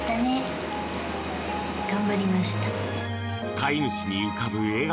飼い主に浮かぶ笑顔。